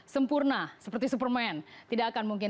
sempurna seperti superman tidak akan mungkin